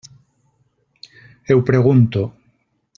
Ho pregunto.